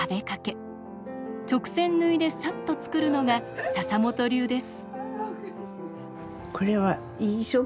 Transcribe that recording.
直線縫いでさっと作るのが笹本流です。